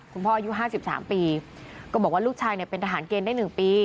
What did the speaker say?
คุณพ่อยู่ห้าสิบสามปีกูบอกว่าลูกชายเป็นทหารเกณฑ์ได้หนึ่งปี